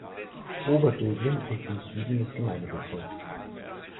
Oberdöbling liegt im Süden des Gemeindebezirks.